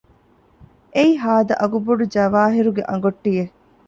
އެއީ ހާދަ އަގުބޮޑު ޖަވާހިރުގެ އަނގޮޓިއެއް